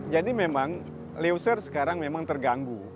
jadi memang leuser sekarang memang terganggu